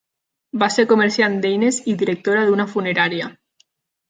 Va ser comerciant d'eines i director d'una funerària.